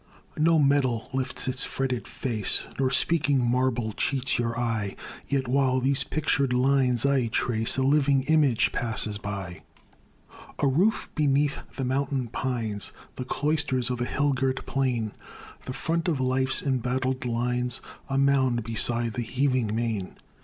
No medal lifts its fretted face, Nor speaking marble cheats your eye; Yet, while these pictured lines I trace, A living image passes by: A roof beneath the mountain pines; The cloisters of a hill girt plain; The front of life's embattled lines; A mound beside the heaving main.